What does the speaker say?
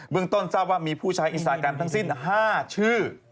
เบื้องต้นทราบว่ามีผู้ชายอินสตาร์แกรมทั้งสิ้น๕ชื่อ